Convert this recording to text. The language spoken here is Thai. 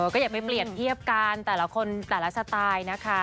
ก็อย่าไปเปรียบเทียบกันแต่ละคนแต่ละสไตล์นะคะ